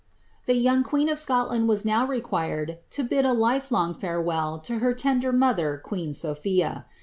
The young queen of Scotland was now required to bid a life long fitfewell to her tender mother, queen Sophia.